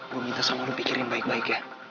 gue minta sama lo pikirin baik baik ya